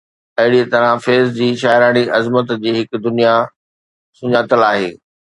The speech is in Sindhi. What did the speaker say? اهڙيءَ طرح فيض جي شاعراڻي عظمت جي هڪ دنيا سڃاتل آهي.